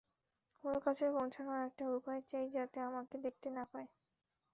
ওর কাছে পৌঁছানোর একটা উপায় চাই যাতে আমাকে দেখতে না পায়।